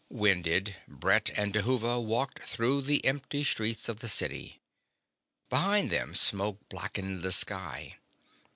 Winded, Brett and Dhuva walked through the empty streets of the city. Behind them, smoke blackened the sky.